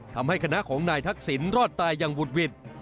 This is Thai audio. ทำให้คณะของนายทักษิณรอดตายอย่างบุดหวิด